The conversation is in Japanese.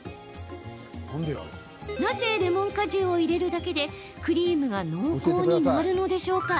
なぜレモン果汁を入れるだけでクリームが濃厚になるのでしょうか？